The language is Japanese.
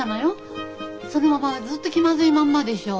そのままずっと気まずいまんまでしょう。